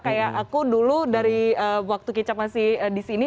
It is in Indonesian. kayak aku dulu dari waktu kecap masih di sini